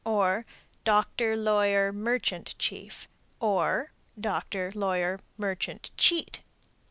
Or, Doctor, lawyer, merchant, chief. Or, Doctor, lawyer, merchant, cheat.